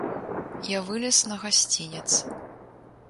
Я вылез на гасцінец.